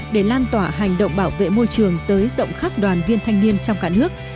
để lan tỏa hành động bảo vệ môi trường tới rộng khắp đoàn viên thanh niên trong cả nước